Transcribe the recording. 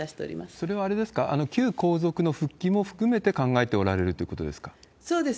それは旧皇族の復帰も含めて考えておられるということですかそうです。